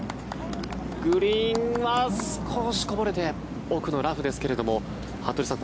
グリーンは少しこぼれて奥のラフですが、服部さん